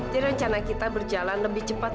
jadi rencana kita berjalan lebih cepat